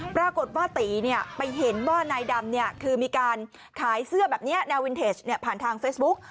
ปรากฏว่าตีไปเห็นว่านายดำคือมีการขายเสื้อแบบนี้แนววินเทจผ่านทางเฟซบุ๊ก